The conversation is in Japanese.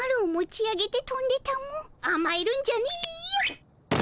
あまえるんじゃねえよ。